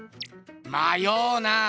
まようなあ。